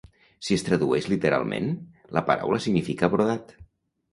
Si es tradueix literalment, la paraula significa "brodat".